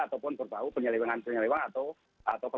ataupun berbau penyelewangan penyelewangan atau pelakon